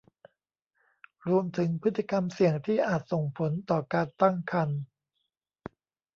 รวมถึงพฤติกรรมเสี่ยงที่อาจส่งผลต่อการตั้งครรภ์